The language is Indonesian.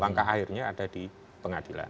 langkah akhirnya ada di pengadilan